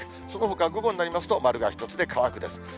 そのほか午後になりますと、丸が一つで乾くです。